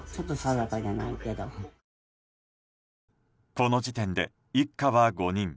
この時点で一家は５人。